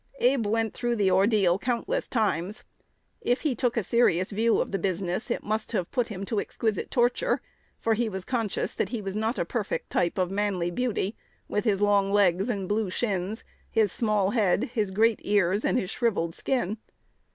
Abe went through the ordeal countless times. If he took a serious view of the business, it must have put him to exquisite torture; for he was conscious that he was not a perfect type of manly beauty, with his long legs and blue shins, his small head, his great ears, and shrivelled skin.